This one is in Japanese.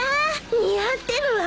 似合ってるわ。